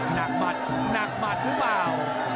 หนักหมัดหนักหมัดหรือเปล่า